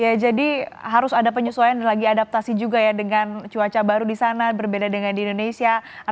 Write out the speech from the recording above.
ya jadi harus ada penyesuaian dan lagi adaptasi juga ya dengan cuaca baru di sana berbeda dengan di indonesia